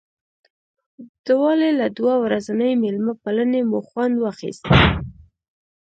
د والي له دوه ورځنۍ مېلمه پالنې مو خوند واخیست.